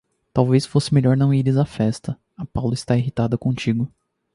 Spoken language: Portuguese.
Talvez fosse melhor não ires à festa. A Paula está irritada contigo.